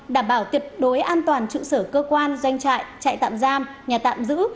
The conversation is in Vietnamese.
đảm bảo tiệt đối an toàn trụ sở cơ quan doanh trại trại tạm giam nhà tạm giữ